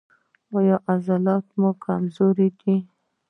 ایا عضلات مو کمزوري دي؟